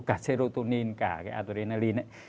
cả serotonin cả cái adrenalin ấy